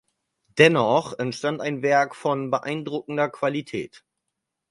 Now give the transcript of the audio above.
Dennoch entstand ein Werk von beeindruckender Qualität.